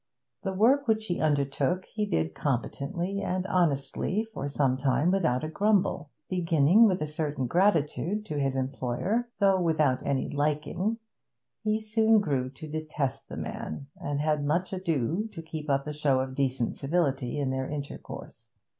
The work which he undertook he did competently and honestly for some time without a grumble. Beginning with a certain gratitude to his employer, though without any liking, he soon grew to detest the man, and had much ado to keep up a show of decent civility in their intercourse.